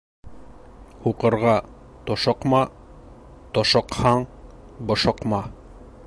Һуҡырға тошоҡма, тошоҡһаң бошоҡма.